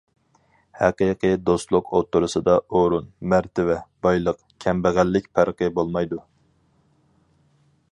ھەقىقىي دوستلۇق ئوتتۇرىسىدا ئورۇن، مەرتىۋە، بايلىق، كەمبەغەللىك پەرقى بولمايدۇ.